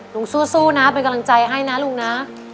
สู้นะเป็นกำลังใจให้นะลุงนะ